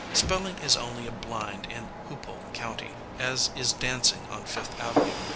Spelling is only a blind in Hoopole County, as is dancing on Fifth Avenue.